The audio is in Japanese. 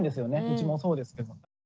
うちもそうですけど。